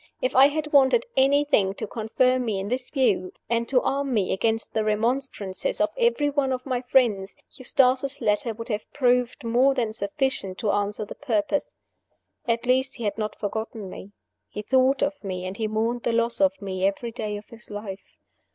If I had wanted anything to confirm me in this view, and to arm me against the remonstrances of every one of my friends, Eustace's letter would have proved more than sufficient to answer the purpose. At least he had not forgotten me; he thought of me, and he mourned the loss of me every day of his life.